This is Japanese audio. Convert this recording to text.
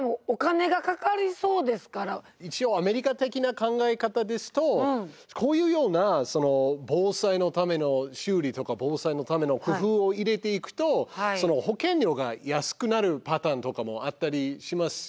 一応アメリカ的な考え方ですとこういうような防災のための修理とか防災のための工夫を入れていくと保険料が安くなるパターンとかもあったりしますよね。